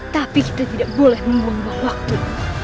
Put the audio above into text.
tapi kita tidak boleh membuang buang waktu